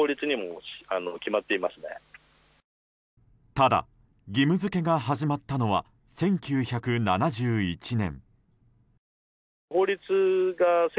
ただ、義務付けが始まったのは１９７１年。